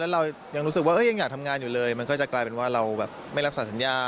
เรายังรู้สึกว่ายังอยากทำงานอยู่เลยมันก็จะกลายเป็นว่าเราแบบไม่รักษาสัญญา